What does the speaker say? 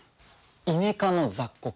イネ科の雑穀。